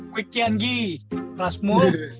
quick yan gi prasmo